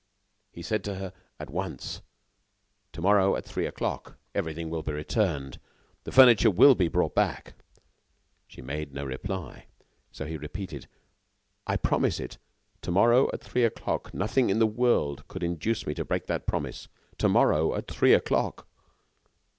He said to her, at once: "To morrow, at three o'clock, everything will be returned. The furniture will be brought back." She made no reply, so he repeated: "I promise it. To morrow, at three o'clock. Nothing in the world could induce me to break that promise....To morrow, at three o'clock."